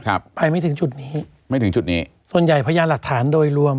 ไปไม่ถึงจุดนี้ไม่ถึงจุดนี้ส่วนใหญ่พยานหลักฐานโดยรวม